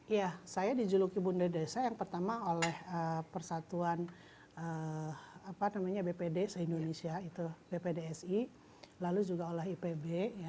ya saya dijuluki bunda desa yang pertama oleh persatuan bpd se indonesia itu bpdsi lalu juga oleh ipb